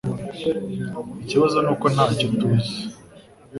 Ikibazo nuko ntacyo tuzi